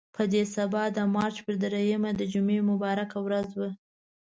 په دې سبا د مارچ په درېیمه چې د جمعې مبارکه ورځ وه.